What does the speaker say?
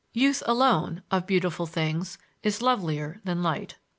Youth alone, of beautiful things, is lovelier than light.